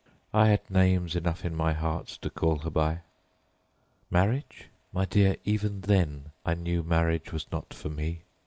I had names enough in my heart to call her by. Marriage? My dear, even then I knew marriage was not for me.